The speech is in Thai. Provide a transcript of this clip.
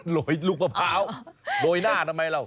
โรยลูกมะพร้าวโรยหน้าทำไมเรา